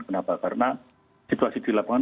kenapa karena situasi di lapangan